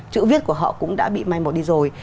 chữ viết của họ cũng đã bị mai một đi rồi